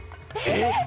えっ！？